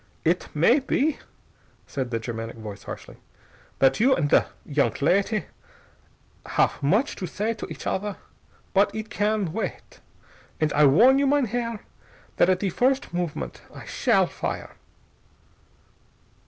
"Idt may be," said the Germanic voice harshly, "that you and the young ladty haff much to say to each other. But idt can wait. And I warn you, mein Herr, that at the first movement I shall fire."